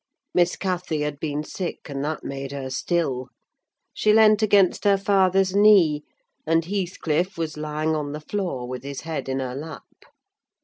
Miss Cathy had been sick, and that made her still; she leant against her father's knee, and Heathcliff was lying on the floor with his head in her lap.